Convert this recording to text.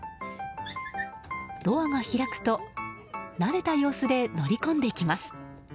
ドアが開くと慣れた様子で乗り込んできます。